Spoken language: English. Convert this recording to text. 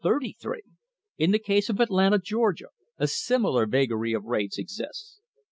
In the case of Atlanta, Georgia, a similar vagary of rates ex ists.